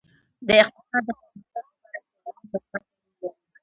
د اقتصاد د پرمختګ لپاره ځوانان تلپاتې رول لري.